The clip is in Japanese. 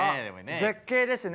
絶景ですね。